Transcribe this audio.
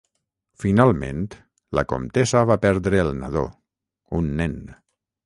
Finalment, la comtessa va perdre el nadó; un nen.